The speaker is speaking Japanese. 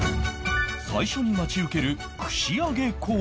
最初に待ち受ける